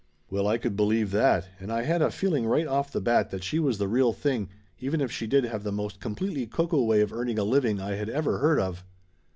Well, I could believe that, and I had a feeling right off the bat that she was the real thing, even if she did have the most completely cuckoo way of earning a living I had ever heard of.